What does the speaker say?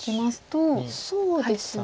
そうですね